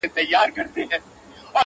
هغه اکثره وخت يوازې ناسته وي او فکر کوي,